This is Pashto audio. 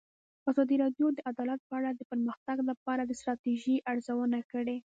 ازادي راډیو د عدالت په اړه د پرمختګ لپاره د ستراتیژۍ ارزونه کړې.